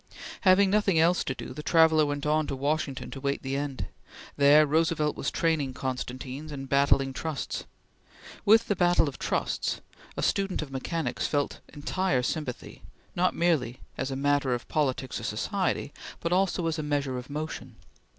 Having nothing else to do, the traveller went on to Washington to wait the end. There Roosevelt was training Constantines and battling Trusts. With the Battle of Trusts, a student of mechanics felt entire sympathy, not merely as a matter of politics or society, but also as a measure of motion.